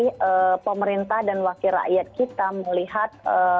bagaimana kemauan dari pemerintah dan wakil rakyat kita melihat